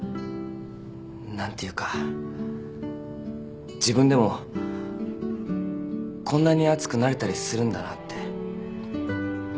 何ていうか自分でもこんなに熱くなれたりするんだなって。